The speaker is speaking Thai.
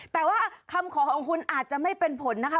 แต่ว่าคำขอของคุณอาจจะไม่เป็นผลนะคะ